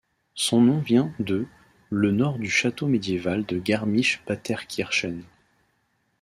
Son nom vient de le nord du château médiéval de Garmisch-Partenkirchen.